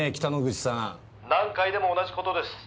「何回でも同じ事です。